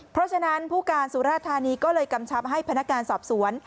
เพราะฉะนั้นผู้การสุราธานีก็เลยกำชับให้พนักงานสอบสวน